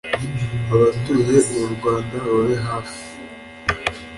abatuye uru rwanda, babe hafi